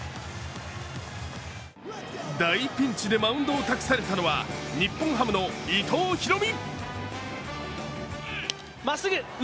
大ピンチでマウンドを託されたのは日本ハムの伊藤大海。